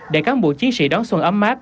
để cán bộ chiến sĩ đón xuân ấm áp